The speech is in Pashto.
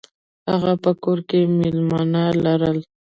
هغه په کور کې میلمانه لرل.